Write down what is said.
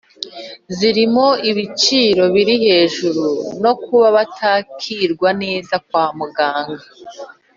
zirimo ibiciro biri hejuru no kuba batakirwa neza kwa muganga.